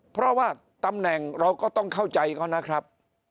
เพราะว่าตำแหน่งเราก็ต้องเข้าใจเขานะครับ